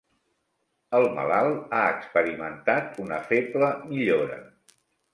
El malalt ha experimentat una feble millora.